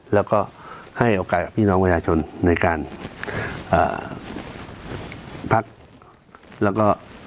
และให้ออกไกลกับพี่น้องชนในการพัก